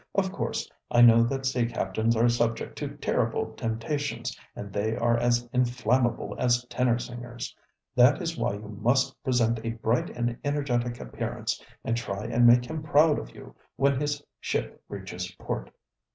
Of course, I know that sea captains are subject to terrible temptations, and they are as inflammable as tenor singersŌĆöthat is why you must present a bright and energetic appearance, and try and make him proud of you when his ship reaches port.